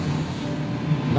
何？